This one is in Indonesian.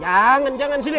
jangan jangan sini